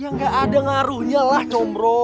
ya gak ada ngaruhnya lah comro